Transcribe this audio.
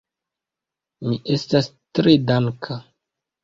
Mi estas tre danka.